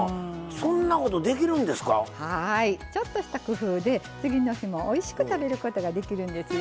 ちょっとした工夫で次の日もおいしく食べることができるんですよ。